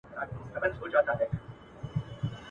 یو له بل سره د ملتيا په ژوند پیل وکړی